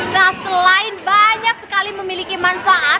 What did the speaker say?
nah selain banyak sekali memiliki manfaat